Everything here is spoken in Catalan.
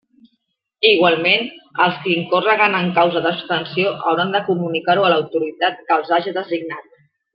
Igualment, els qui incórreguen en causa d'abstenció hauran de comunicar-ho a l'autoritat que els haja designat.